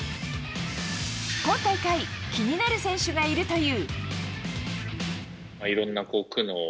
今大会気になる選手がいるという。